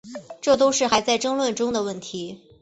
这都是还在争论中的问题。